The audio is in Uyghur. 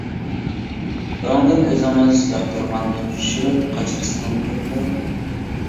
بۇنىڭدىن ئۆزىڭىز ياقتۇرغاننى چۈشۈرۈپ قاچىلىسىڭىز بولىدۇ.